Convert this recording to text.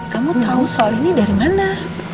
kamu tahu soal ini dari mana